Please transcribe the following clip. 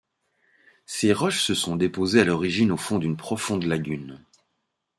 Ces roches se sont déposées à l'origine au fond d'une profonde lagune.